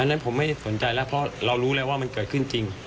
นั้นผมไม่สนใจแล้วเพราะเรารู้แล้วว่ามันเกิดขึ้นจริง